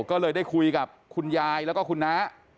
ก็เลยได้คุยกับคุณยายแล้วก็คุณน้า